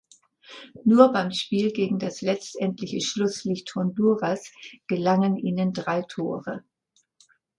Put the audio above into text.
Nur beim Spiel gegen das letztendliche Schlusslicht Honduras gelangen ihnen drei Tore.